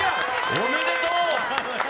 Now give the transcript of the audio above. おめでとう！